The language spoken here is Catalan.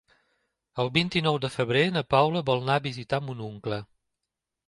El vint-i-nou de febrer na Paula vol anar a visitar mon oncle.